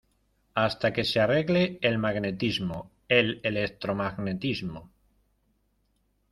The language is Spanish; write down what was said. hasta que se arregle el magnetismo, el electromagnetismo...